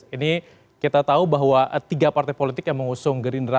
ini kita tahu bahwa tiga partai politik yang mengusung gerindra